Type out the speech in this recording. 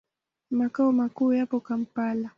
Makao makuu yapo Kampala.